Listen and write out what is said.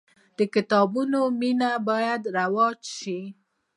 د کتابونو مینه باید رواج سي.